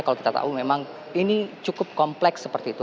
kalau kita tahu memang ini cukup kompleks seperti itu